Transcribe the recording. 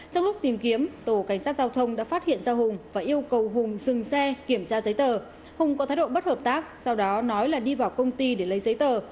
trong lúc tìm kiếm tổ cảnh sát giao thông đã phát hiện ra hùng và yêu cầu hùng dừng xe kiểm tra giấy tờ hùng có thái độ bất hợp tác sau đó nói là đi vào công ty để lấy giấy tờ